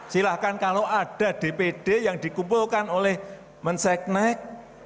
silahkan kalau ada dpd yang dikumpulkan oleh menseknek